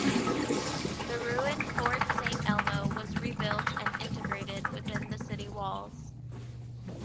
The ruined Fort Saint Elmo was rebuilt and integrated within the city walls.